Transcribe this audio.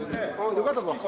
よかった。